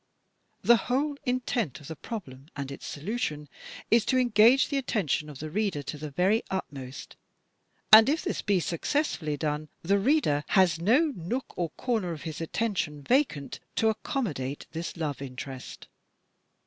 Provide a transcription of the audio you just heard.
The whole intent of the problem and its solution is to engage the attention of the reader to the very utmost, and if this be successfully done, the reader has no nook or comer of his attention vacant to acconunodate this love interest.